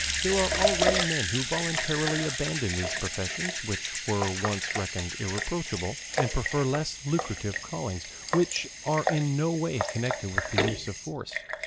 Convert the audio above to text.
There are already men who voluntarily abandon these professions which were once reckoned irreproachable, and prefer less lucrative callings which are in no way connected with the use of force.